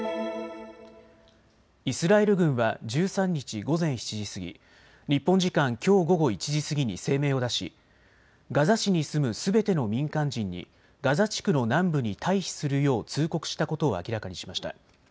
イスラエル軍は１３日午前７時過ぎ、日本時間きょう午後１時過ぎに声明を出しガザ市に住むすべての民間人にガザ地区の南部に退避するよう通告したことを明らかにしました。